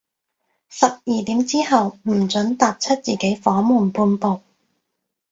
十二點之後，唔准踏出自己房門半步